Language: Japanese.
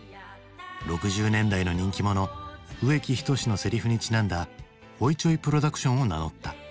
６０年代の人気者植木等のセリフにちなんだ「ホイチョイ・プロダクション」を名乗った。